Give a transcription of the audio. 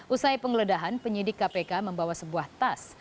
usai penggeledahan penyidik kpk membawa sebuah tas